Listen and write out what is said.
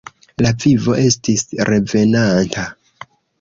La vivo estis revenanta.